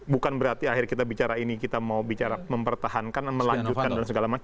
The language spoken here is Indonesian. bukan berarti akhir kita bicara ini kita mau bicara mempertahankan melanjutkan dan segala macam